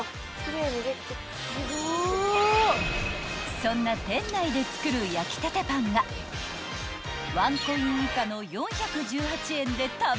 ［そんな店内で作る焼きたてパンがワンコイン以下の４１８円で食べ放題］